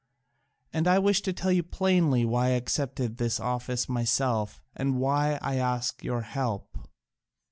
And I wish to tell you plainly why I accepted this office myself and why I ask your help.